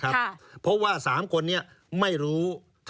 ไม่คิดดู